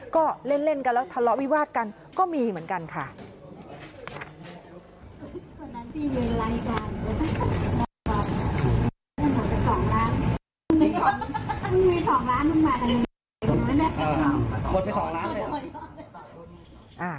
ก็เล่นกันแล้วทะเลาะวิวาดกันก็มีเหมือนกันค่ะ